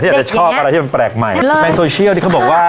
อยากจะชอบอะไรที่มันแปลกใหม่ในโซเชียลที่เขาบอกว่า